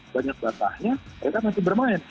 banyak basahnya mereka masih bermain